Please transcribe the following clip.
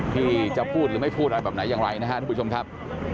ที่จะพูดหรือไม่พูดอะไรแบบไหนอย่างไรนะครับทุกผู้ชมครับ